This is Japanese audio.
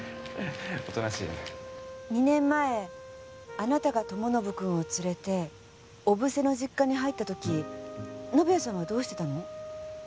２年前あなたが友宣君を連れて小布施の実家に入った時宣也さんはどうしてたの？